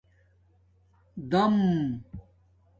دام